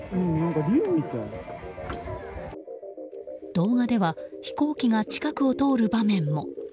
動画では飛行機が近くを通る場面も。